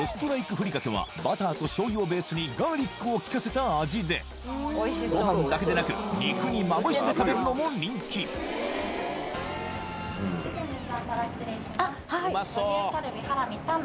ふりかけはバターと醤油をベースにガーリックを利かせた味でご飯だけでなく肉にまぶして食べるのも人気右側から失礼します